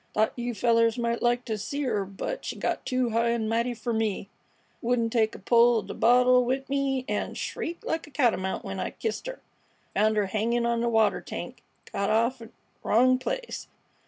"Thought you fellers might like t' see 'er, but she got too high an' mighty fer me, wouldn't take a pull at th' bottle 'ith me, 'n' shrieked like a catamount when I kissed 'er. Found 'er hangin' on th' water tank. Got off 't th' wrong place.